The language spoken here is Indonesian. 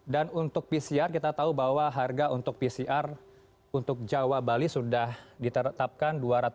dan untuk pcr kita tahu bahwa harga untuk pcr untuk jawa bali sudah ditetapkan rp dua ratus tujuh puluh lima untuk pcr jawa bali